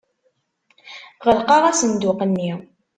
Ɣelqeɣ asenduq-nni.